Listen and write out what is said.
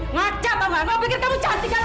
ngaca tahu nggak kamu pikir kamu cantik kan